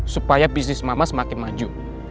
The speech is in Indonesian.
supaya bisnis mama semakin maju